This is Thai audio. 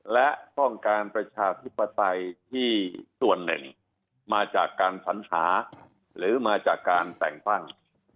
และต้องการประชาธิปไตยที่ส่วนหนึ่งมาจากการสัญหาหรือมาจากการแต่งตั้ง